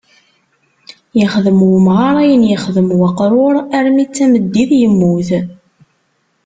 Yexdem umɣar ayen yexdem uqrur armi d tameddit, yemmut.